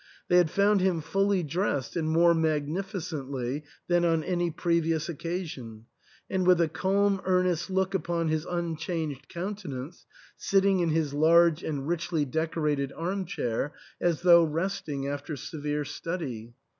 They had found him fully dressed and more magnificently than on any pre vious occasion, and with a calm earnest look upon his unchanged countenance, sitting in his large and richly decorated arm chair as though resting after severe study.